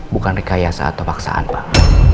bukan rekayasa atau paksaan pak